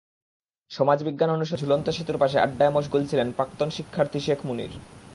সমাজবিজ্ঞান অনুষদের ঝুলন্ত সেতুর পাশে আড্ডায় মশগুল ছিলেন প্রাক্তন শিক্ষার্থী শেখ মুনির।